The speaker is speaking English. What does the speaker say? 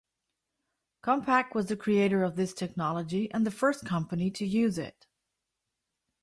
Compaq was the creator of this technology and the first company to use it.